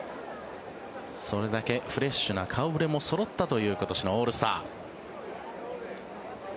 それだけフレッシュな顔触れもそろったという今年のオールスター。